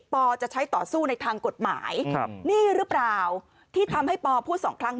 จะใช้ต่อสู้ในทางกฎหมายนี่หรือเปล่าที่ทำให้ปอพูดสองครั้ง